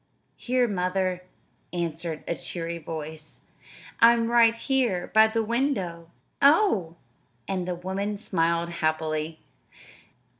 "Here, mother," answered a cheery voice. "I'm right here by the window." "Oh!" And the woman smiled happily.